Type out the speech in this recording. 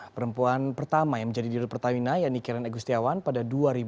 perempuan pertama yang menjadi dirut pertamina yakni karen egustiawan pada dua ribu sembilan